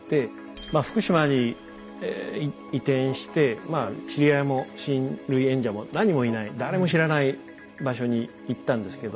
まあ福島に移転してまあ知り合いも親類縁者も何もいない誰も知らない場所に行ったんですけど。